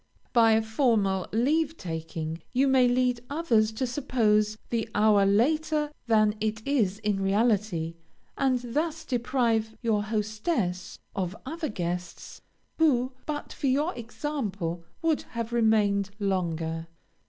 By a formal leave taking, you may lead others to suppose the hour later than it is in reality, and thus deprive your hostess of other guests, who, but for your example, would have remained longer.